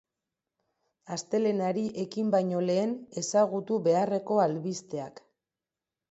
Astelehenari ekin baino lehen ezagutu beharreko albisteak.